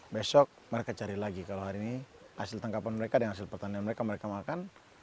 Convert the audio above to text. besok mereka cari lagi kalau hari ini hasil tangkapan mereka dengan hasil pertanian mereka mereka makan